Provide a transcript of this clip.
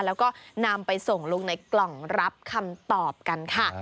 แล้วก็นำไปส่งลงในกล่องรับคำตอบกันค่ะ